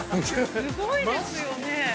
◆すごいですよね。